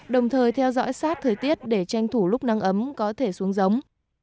đồng thời theo dõi sát thời tiết để tranh thủ lúc nắng ấm có thể xuống giống